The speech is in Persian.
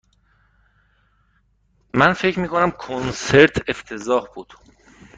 من فکر می کنم کنسرت افتضاح بود.